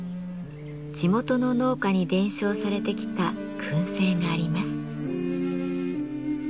地元の農家に伝承されてきた燻製があります。